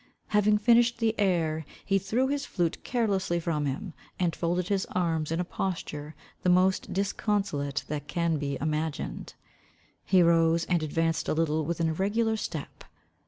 Having finished the air, he threw his flute carelesly from him, and folded his arms in a posture the most disconsolate that can be imagined. He rose and advanced a little with an irregular step.